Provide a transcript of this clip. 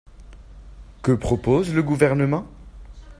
Que propose le Gouvernement ?